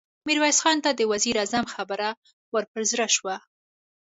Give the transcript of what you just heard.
ميرويس خان ته د وزير اعظم خبره ور په زړه شوه.